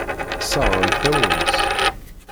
Sseṛɣent-awen-t.